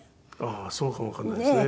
ああそうかもわかんないですね。